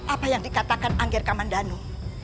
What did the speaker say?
apa yang dikatakan angger kamandanu